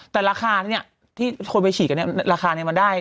แต่ราคาเนี่ยที่คนไปฉีดกันเนี่ยราคานี้มันได้